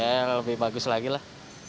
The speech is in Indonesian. ya lebih bagus lagi lah